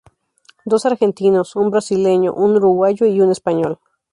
Dos argentinos, un brasileño, un uruguayo y un español.